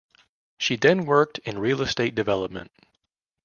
She then worked in real estate development.